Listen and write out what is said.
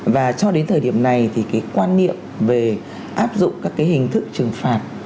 và cho đến thời điểm này quan niệm về áp dụng các hình thức trừng phạt